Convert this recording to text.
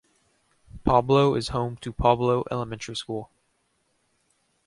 Pablo is home to Pablo Elementary School.